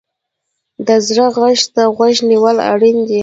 د زړه غږ ته غوږ نیول اړین دي.